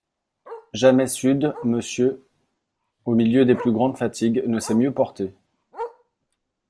Jamais sud M., au milieu des plus grandes fatigues, ne s'est mieux portée.